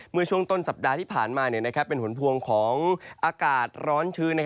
เมื่อช่วงต้นสัปดาห์ที่ผ่านมาเป็นผลพวงของอากาศร้อนชื้น